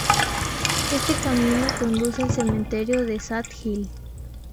Este camino conduce al cementerio de Sad Hill.